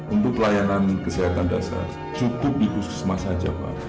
untuk pelayanan kesehatan dasar cukup di puskesmas saja pak